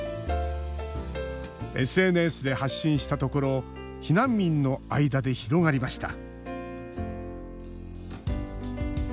ＳＮＳで発信したところ避難民の間で広がりました。